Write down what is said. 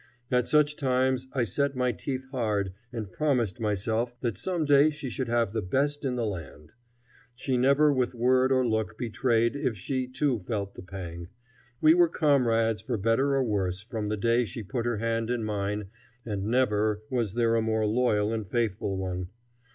At such times I set my teeth hard and promised myself that some day she should have the best in the land. She never with word or look betrayed if she, too, felt the pang. We were comrades for better or worse from the day she put her hand in mine, and never was there a more loyal and faithful one.